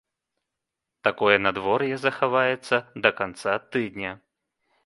Такое надвор'е захаваецца да канца тыдня.